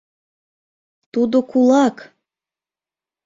Тудо кулак!